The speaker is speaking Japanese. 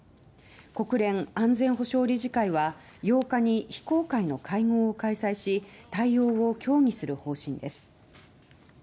国連安全保障理事会は８日に非公開の会合を開催し対応を協議する方針です。